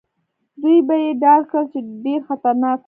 دوی به يې ډار کړل، چې ډېر خطرناک وو.